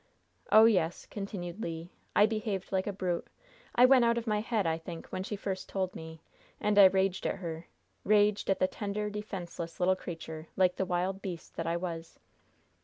"Oh, yes," continued Le, "I behaved like a brute! I went out of my head, I think when she first told me and I raged at her! raged at the tender, defenseless, little creature like the wild beast that I was!"